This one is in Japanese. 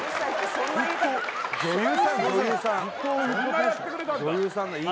そんなやってくれたんだ